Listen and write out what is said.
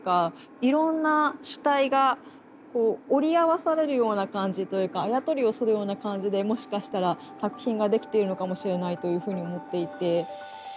いろんな主体がこう織り合わされるような感じというかあや取りをするような感じでもしかしたら作品ができているのかもしれないというふうに思っていて。